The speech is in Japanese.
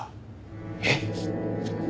えっ？